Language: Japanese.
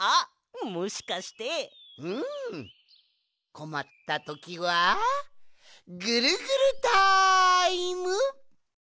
こまったときはぐるぐるタイム！